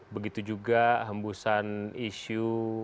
begitu juga hembusan isu